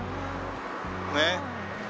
ねっ。